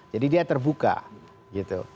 jadi dia terbuka gitu